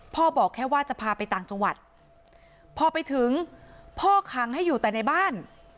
บอกแค่ว่าจะพาไปต่างจังหวัดพอไปถึงพ่อค้างให้อยู่แต่ในบ้าน